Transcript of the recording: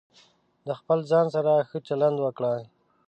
د خپل ځان سره ښه چلند وکړئ.